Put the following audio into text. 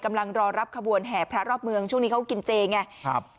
รอรับขบวนแห่พระรอบเมืองช่วงนี้เขากินเจไงครับ